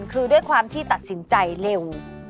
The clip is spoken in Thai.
คือด้วยความที่ตัดสินใจเร็ว